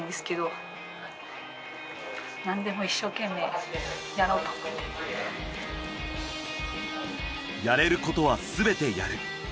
でもやれることはすべてやる。